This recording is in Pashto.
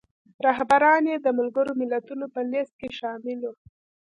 رهبران یې د ملګرو ملتونو په لیست کې شامل وو.